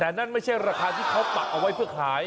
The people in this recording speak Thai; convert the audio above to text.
แต่นั่นไม่ใช่ราคาที่เขาปักเอาไว้เพื่อขาย